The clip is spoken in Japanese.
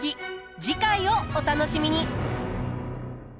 次回をお楽しみに。